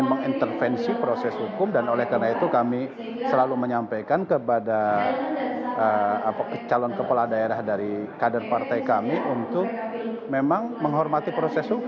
tetap bersama kami di prime news